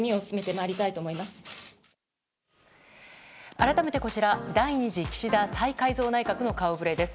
改めて、こちら第２次岸田再改造内閣の顔ぶれです。